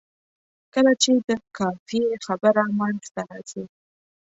کله چې د قافیې خبره منځته راځي.